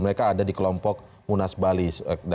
mereka ada di kelompok munas bali